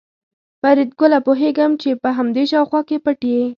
فریدګله پوهېږم چې په همدې شاوخوا کې پټ یې